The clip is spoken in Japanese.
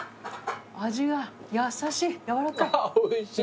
味が優しい。